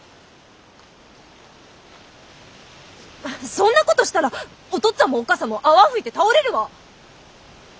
そんなことしたらおとっつあんもおっかさんも泡吹いて倒れるわ！